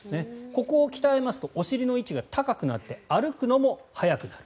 ここを鍛えますとお尻の位置が高くなって歩くのも速くなる。